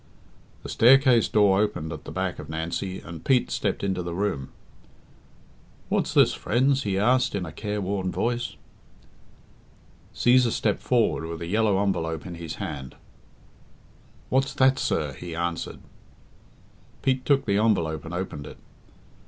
The staircase door opened at the back of Nancy, and Pete stepped into the room. "What's this, friends?" he asked, in a careworn voice. Cæsar stepped forward with a yellow envelope in his hand. "What's that, sir?" he answered. Pete took the envelope and opened it.